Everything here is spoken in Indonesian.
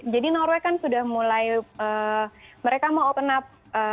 jadi norway kan sudah mulai mereka mau open up